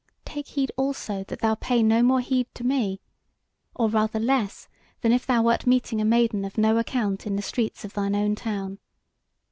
Take heed also that thou pay no more heed to me, or rather less, than if thou wert meeting a maiden of no account in the streets of thine own town.